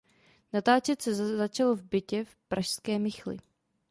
Natáčet se začalo v bytě v pražské Michli.